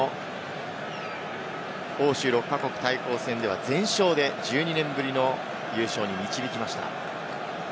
去年の欧州６か国対抗戦では全勝で１２年ぶりの優勝に導きました。